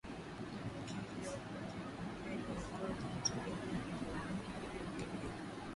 Maambukizi ya ugonjwa wa mapele ya ngozi inategemea mifugo ilivyoingiliana